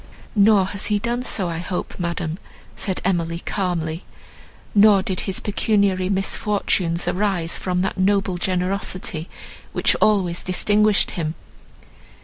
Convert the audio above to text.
"Nor has he done so, I hope, madam," said Emily calmly, "nor did his pecuniary misfortunes arise from that noble generosity, which always distinguished him.